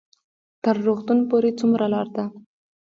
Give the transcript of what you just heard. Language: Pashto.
تر روغتون پورې څومره لار ده؟